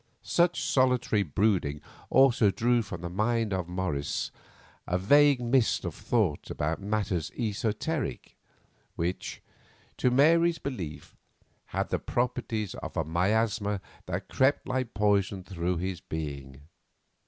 Such solitary brooding also drew from the mind of Morris a vague mist of thought about matters esoteric which, to Mary's belief, had the properties of a miasma that crept like poison through his being.